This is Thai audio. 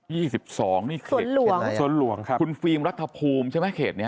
๒๒นี่สวนหลวงสวนหลวงครับคุณฟิล์มรัฐภูมิใช่ไหมเขตนี้